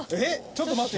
ちょっと待って。